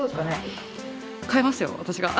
変えますよ私が。